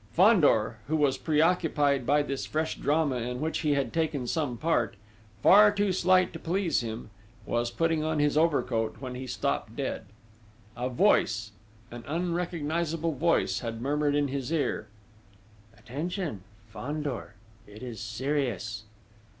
Fandor, who was preoccupied by this fresh drama in which he had taken some part far too slight to please him was putting on his overcoat when he stopped dead. A voice an unrecognisable voice had murmured in his ear: "Attention! Fandor!... It is serious!..."